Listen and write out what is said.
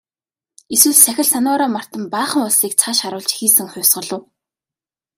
Эсвэл сахил санваараа мартан баахан улсыг цааш харуулж хийсэн хувьсгал уу?